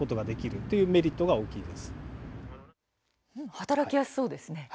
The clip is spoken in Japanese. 働きやすそうですね。